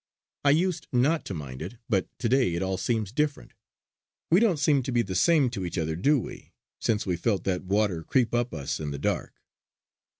I used not to mind it; but to day it all seems different. We don't seem to be the same to each other, do we, since we felt that water creep up us in the dark.